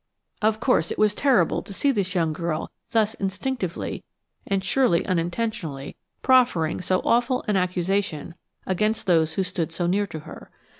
Of course, it was terrible to see this young girl thus instinctively, and surely unintentionally, proffering so awful an accusation against those who stood so near to her.